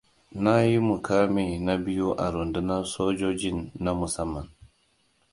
Na yi mukami na biyu a rundunar sojojin na musamman.